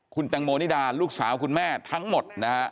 คุณแตงโมนิดาลูกสาวคุณแม่ทั้งหมดนะฮะ